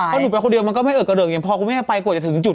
เพราะหนูไปคนเดียวมันก็ไม่เอิกกระเริกอย่างพอคุณแม่ไปกว่าจะถึงจุด